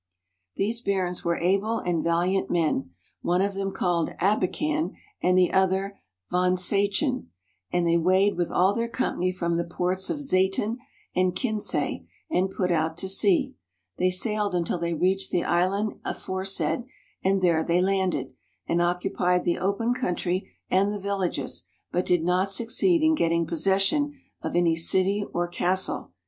These barons were able and valiant men, one of them called Abacan and the other Vonsainchin, and they weighed with all their company from the ports of Zayton and Kinsay, and put out to sea. They sailed until they reached the island aforesaid, and there they landed, and oc cupied the open country and the villages, but did not suc ceed in getting possession of any city or castle.